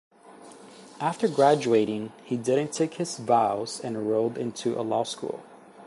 After graduating he didn't take his vows and enrolled into a law school.